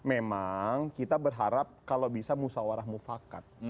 memang kita berharap kalau bisa musawarah mufakat